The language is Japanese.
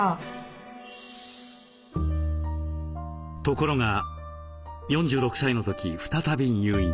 ところが４６歳の時再び入院。